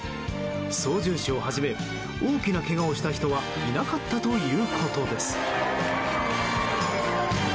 操縦士をはじめ大きなけがをした人はいなかったということです。